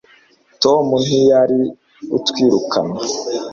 Tom ntiyari kutwirukana